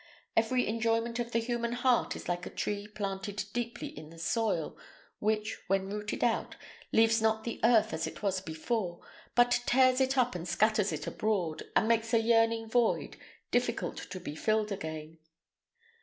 Every enjoyment of the human heart is like a tree planted deeply in the soil, which, when rooted out, leaves not the earth as it was before, but tears it up and scatters it abroad, and makes a yearning void, difficult to be filled again.